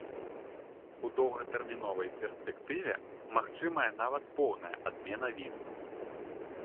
У доўгатэрміновай перспектыве магчымая нават поўная адмена віз.